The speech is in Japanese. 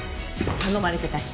頼まれてた品。